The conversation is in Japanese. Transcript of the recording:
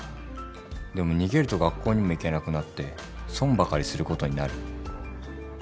でも逃げると学校にも行けなくなって損ばかりすることになる。